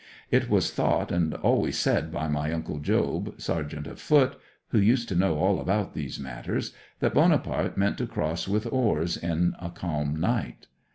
It was thought and always said by my uncle Job, sergeant of foot (who used to know all about these matters), that Bonaparte meant to cross with oars on a calm night.